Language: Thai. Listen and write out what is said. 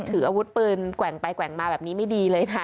ถืออาวุธปืนแกว่งไปแกว่งมาแบบนี้ไม่ดีเลยนะ